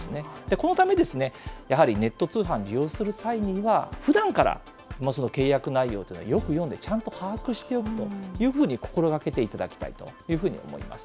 このためですね、やはりネット通販利用する際には、ふだんから契約内容というのをよく読んで、ちゃんと把握しておくというふうに心がけていただきたいというふうに思います。